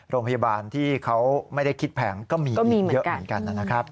โรงพยาบาลที่เขาไม่ได้คิดแผงก็มีอีกเยอะเหมือนกันนะครับ